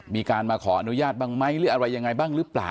มีการมาขออนุญาตบ้างไหมหรืออะไรยังไงบ้างหรือเปล่า